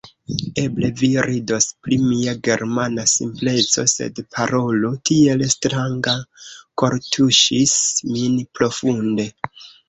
Eble vi ridos pri mia Germana simpleco; sed parolo tiel stranga kortuŝis min profunde.